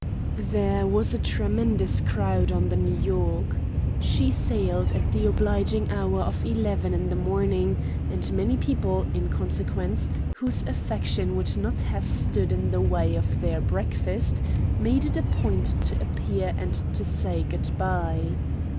There was a tremendous crowd on the New York. She sailed at the obliging hour of eleven in the morning, and many people, in consequence, whose affection would not have stood in the way of their breakfast, made it a point to appear and to say goodbye.